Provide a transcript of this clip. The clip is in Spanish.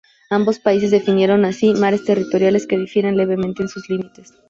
Ambos países definieron así mares territoriales que difieren levemente en sus límites.